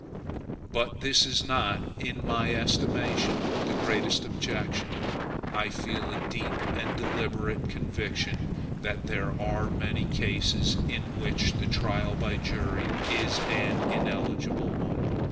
But this is not, in my estimation, the greatest objection. I feel a deep and deliberate conviction that there are many cases in which the trial by jury is an ineligible one.